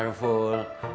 pada perjalanan ini